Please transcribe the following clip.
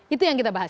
itu yang kita bahas